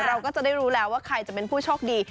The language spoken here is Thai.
เราก็จะได้รู้แล้วว่าใครจะเป็นผู้โชคดี